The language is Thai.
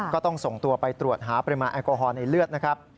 ก็ต้องส่งตัวไปตรวจหาปริมาณแอลกอฮอล์ในเลือดนะครับ